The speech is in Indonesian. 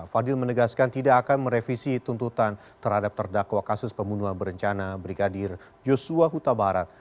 fadil menegaskan tidak akan merevisi tuntutan terhadap terdakwa kasus pembunuhan berencana brigadir yosua huta barat